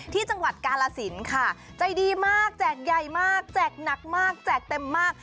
ที่จังหวัดกาลสินค่ะใจดีมากแจกใหญ่มากแจกหนักมากแจกเต็มมาก